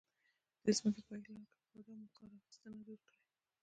د ځمکې پایښت لرونکې او بادوامه کار اخیستنه دود کړي.